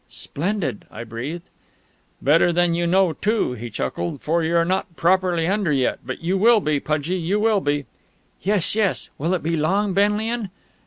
"Splendid!" I breathed. "Better than you know, too," he chuckled, "for you're not properly under yet. But you will be, Pudgie, you will be " "Yes, yes!... Will it be long, Benlian?"